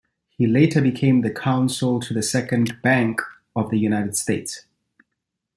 He later became the counsel to the Second Bank of the United States.